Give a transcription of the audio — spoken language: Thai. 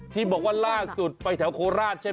ที่บอกว่าล่าสุดไปแถวโคราชใช่ไหม